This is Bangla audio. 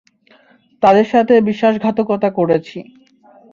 তাদের সাথে বিশ্বাসঘাতকতা করেছি।